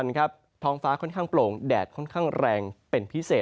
ส่วนช่วงกลางวันครับท้องฟ้าค่อนข้างโปร่งแดดค่อนข้างแรงเป็นพิเศษยังไงก็ต้องดูแลรักษาสุขภาคมันด้วยนะครับ